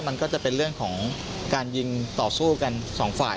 มันก็จะเป็นเรื่องของการยิงต่อสู้กันสองฝ่าย